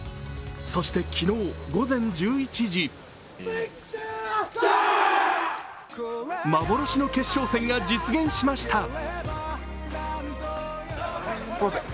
そして、昨日午前１１時幻の決勝戦が実現しました。